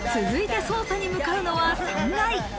続いて捜査に向かうのは３階。